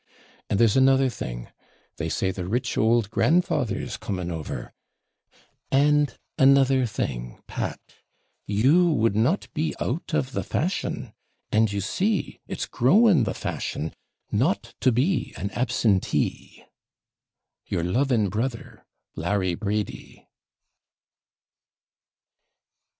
And there's another thing: they say the rich ould grandfather's coming over; and another thing, Pat, you would not be out of the fashion and you see it's growing the fashion not to be an Absentee. Your loving brother, LARRY BRADY.